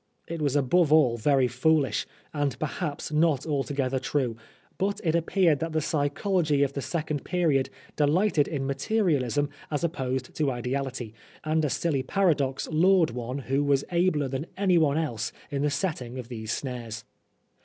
It was above all very foolish, and perhaps not altogether true, but it appeared that the psychology of the second period delighted in materialism as opposed to ideality, and a silly paradox lured one who was abler than anyone else in the setting of these snares.